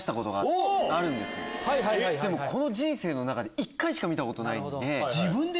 でも人生の中で１回しか見たことないので。